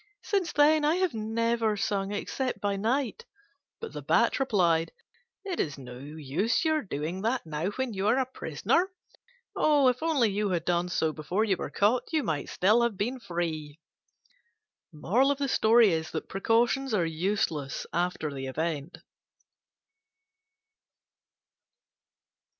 Since then I have never sung except by night." But the Bat replied, "It is no use your doing that now when you are a prisoner: if only you had done so before you were caught, you might still have been free." Precautions are useless after the event.